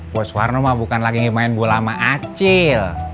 bos farno mah bukan lagi main bola sama acil